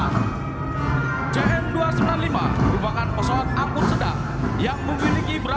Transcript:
berikutnya kita akan mencari pesawat yang terdiri dari batalion korps marinir yang mana pesawat ini adalah produksi dari anak bangsa pt dirgentara indonesia